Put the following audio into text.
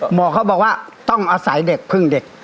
หมอเขาบอกว่าต้องอาศัยเด็กพึ่งเด็ก